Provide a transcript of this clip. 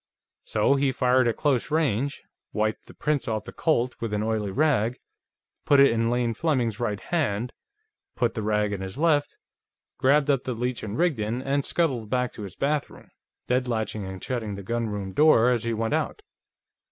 So he fired at close range, wiped the prints off the Colt with an oily rag, put it in Lane Fleming's right hand, put the rag in his left, grabbed up the Leech & Rigdon, and scuttled back to his bathroom, deadlatching and shutting the gunroom door as he went out.